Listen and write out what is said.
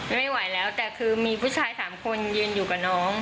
ไม่ไหวแล้วแต่คือมีผู้ชาย๓คนยืนอยู่กับน้อง